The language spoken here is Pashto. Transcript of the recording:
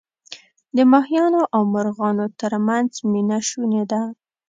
د ماهیانو او مرغانو ترمنځ مینه شوني ده.